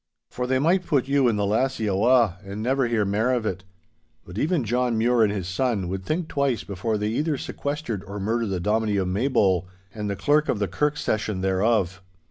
'For they might put you and the lassie awa', and never hear mair of it. But even John Mure and his son would think twice before they either sequestered or murdered the Dominie o' Maybole, and the Clerk of the Kirk Session thereof.